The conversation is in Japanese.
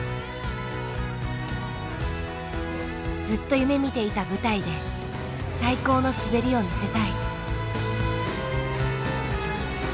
ずっと夢みていた舞台で最高の滑りを見せたい。